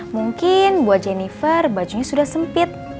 mungkin buat jennifer bajunya sudah sempit